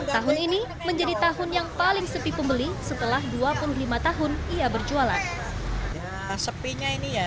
tahun ini menjadi tahun yang paling sepi pembeli setelah dua puluh lima tahun ia berjualan